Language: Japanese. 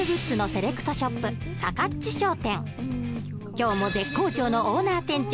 今日も絶好調のオーナー店長